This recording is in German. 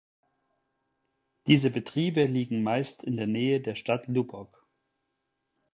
Diese Betriebe liegen meist in der Nähe der Stadt Lubbock.